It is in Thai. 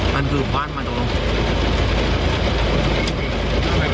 มันคือคว้านมาตรงตรง